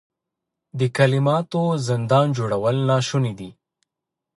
د کلماتو زندان جوړول ناشوني دي.